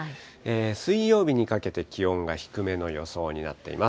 水曜日にかけて気温が低めの予想になっています。